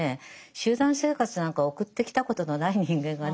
集団生活なんか送ってきたことのない人間がね